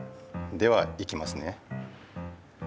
ではいきますね。